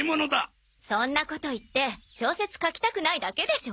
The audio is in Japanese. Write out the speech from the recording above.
そんなこと言って小説書きたくないだけでしょ？